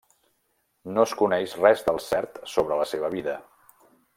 No es coneix res del cert sobre la seva vida.